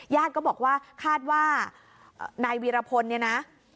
ก็บอกว่าคาดว่านายวีรพลเนี่ยนะ